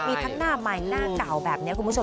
มีทั้งหน้าใหม่หน้าเก่าแบบนี้คุณผู้ชม